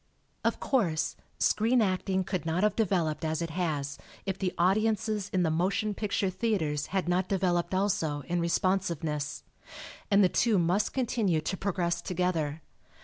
Of course, screen acting could not have developed as it has if the audiences in the motion picture theaters had not developed also, in responsiveness. And the two must continue to progress together.